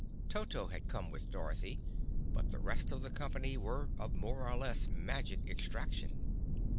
Toto had come with Dorothy, but the rest of the company were of more or less magic extraction.